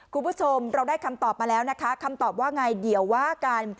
คุณผู้ชมเราได้คำตอบมาแล้วนะคะคำตอบว่าไงเดี๋ยวว่ากัน